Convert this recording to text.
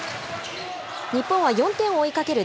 日本は４点を追いかける